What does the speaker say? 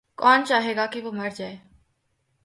کون چاہے گا کہ وہ مر جاَئے۔